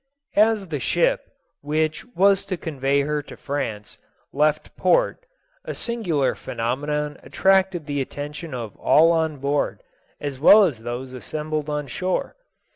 As the ship, which was to convey her to France, left port, a singular phenomenon attracted the attention of all on board, as well as those assembled on shore.